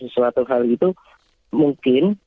sesuatu hal itu mungkin